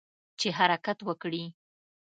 چې حرکت وکړي.